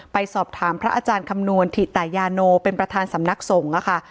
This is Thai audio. ไปสอบถามพระอาจารย์คำนวณถิตยาโนเป็นประธานสำนักสงฆ์นะคะ